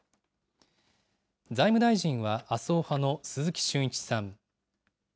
財務大臣は麻生派の鈴木俊一さん。